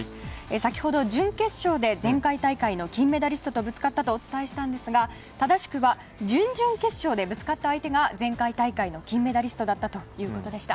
先ほど準決勝で前回大会の金メダリストとぶつかったとお伝えしたんですが正しくは準々決勝でぶつかった相手が前回大会の金メダリストだったということでした。